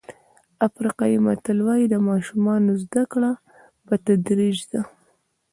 افریقایي متل وایي د ماشومانو زده کړه په تدریج ده.